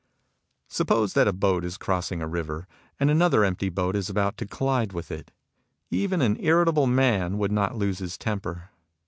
Suppose a boat is crossing a river, and another empty boat is about to collide with it. Even an irritable man would not lose his temper.